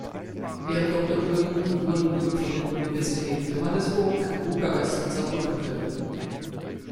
Ehrendoktorwürden wurden ihm von den Universitäten Johannesburg, Bukarest und Saarbrücken verliehen.